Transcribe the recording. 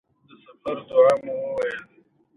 دوه افغان حاجیان مې ولیدل.